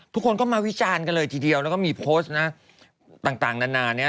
ทุกคนก็มาวิจารณ์กันเลยทีเดียวแล้วก็มีโพสต์นะต่างนานาเนี่ย